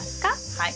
はい。